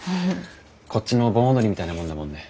こっちの盆踊りみたいなものだもんね。